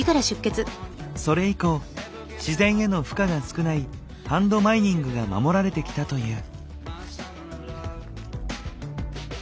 それ以降自然への負荷が少ないハンドマイニングが守られてきたという。